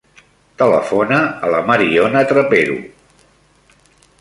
Telefona a la Mariona Trapero.